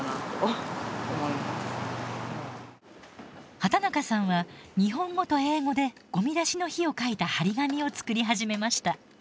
畠中さんは日本語と英語でごみ出しの日を書いた貼り紙を作り始めました。